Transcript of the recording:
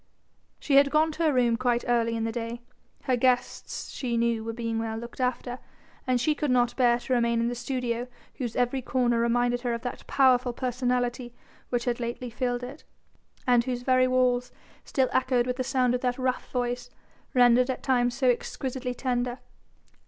She had gone to her room quite early in the day; her guests she knew were being well looked after, and she could not bear to remain in the studio whose every corner reminded her of that powerful personality which had lately filled it, and whose very walls still echoed with the sound of that rough voice, rendered at times so exquisitely tender.